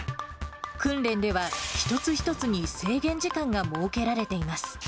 訓練では、一つ一つに制限時間が設けられています。